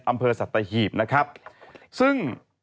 อำเภอสัตหีบนะครับซึ่ง